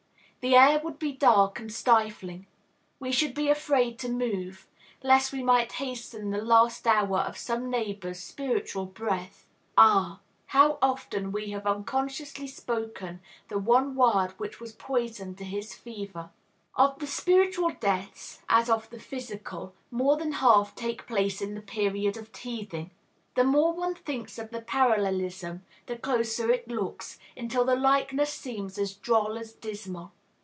The air would be dark and stifling. We should be afraid to move, lest we might hasten the last hour of some neighbor's spiritual breath. Ah, how often have we unconsciously spoken the one word which was poison to his fever! Of the spiritual deaths, as of the physical, more than half take place in the period of teething. The more one thinks of the parallelism, the closer it looks, until the likeness seems as droll as dismal.